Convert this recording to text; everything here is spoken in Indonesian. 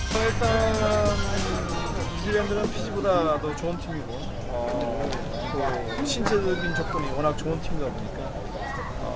sejujurnya tidak ada kemurahan besar dan timnya berguna